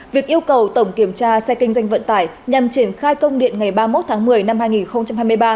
việc yêu cầu tổng kiểm tra xe kinh doanh vận tải nhằm triển khai công điện ngày ba mươi một tháng một mươi năm hai nghìn hai mươi ba